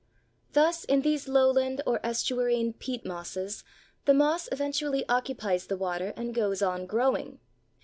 Thus in these lowland or estuarine peat mosses the moss eventually occupies the water, and goes on growing.